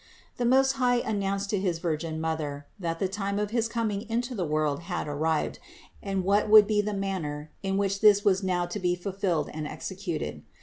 474. The Most High announced to his Virgin Mother, THE INCARNATION 397 that the time of his coming into the world had arrived and what would be the manner in which this was now tp be fulfilled and executed.